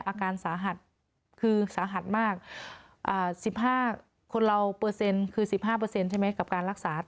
อาการสาหัสคือสาหัสมาก๑๕คนเราเปอร์เซ็นต์คือ๑๕ใช่ไหมกับการรักษา